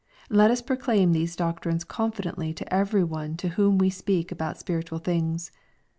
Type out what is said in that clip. — Let us proclaim these doctrines confidently to every one to whom we speak about spirit ual things.